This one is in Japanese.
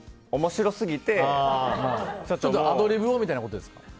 アドリブをみたいなことですか。